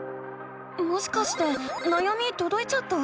もしかしてなやみとどいちゃった？